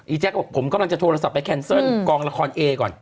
แจ๊คบอกผมกำลังจะโทรศัพท์ไปแคนเซิลกองละครเอก่อน